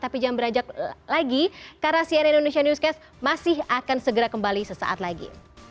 tapi jangan beranjak lagi karena cnn indonesia newscast masih akan segera kembali sesaat lagi